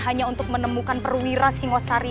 hanya untuk menemukan perwira singosari